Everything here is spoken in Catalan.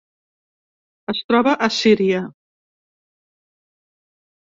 Es troba a Síria.